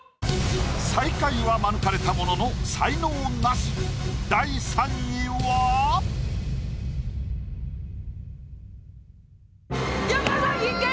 最下位は免れたものの山ケイ！